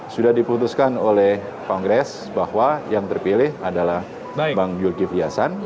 sudah diputuskan oleh kongres bahwa yang terpilih adalah bang zulkifli hasan